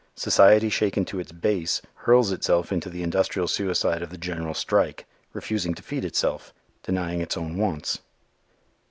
Society shaken to its base, hurls itself into the industrial suicide of the general strike, refusing to feed itself, denying its own wants.